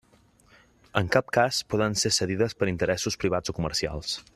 En cap cas poden ser cedides per interessos privats o comercials.